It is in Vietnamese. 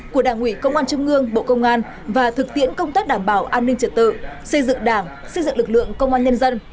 của đảng ủy công an trung ương bộ công an và thực tiễn công tác đảm bảo an ninh trật tự xây dựng đảng xây dựng lực lượng công an nhân dân